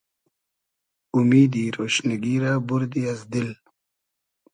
اومیدی رۉشنیگی رۂ بوردی از دیل